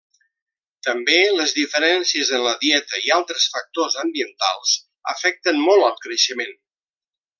També les diferències en la dieta i altres factors ambientals afecten molt al creixement.